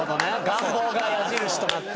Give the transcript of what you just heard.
願望が矢印となって。